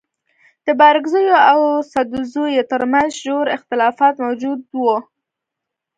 د بارکزيو او سدوزيو تر منځ ژور اختلافات موجود وه.